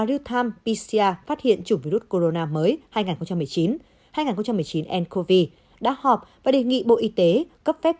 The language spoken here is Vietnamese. reutine pcr phát hiện chủng virus corona mới hai nghìn một mươi chín hai nghìn một mươi chín ncov đã họp và đề nghị bộ y tế cấp phép